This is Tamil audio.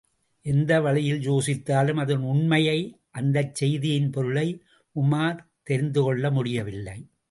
எந்த வழியில் யோசித்தாலும், அதன் உண்மையை, அந்தச் செய்தியின் பொருளை உமார் தெரிந்து கொள்ள முடியவில்லை.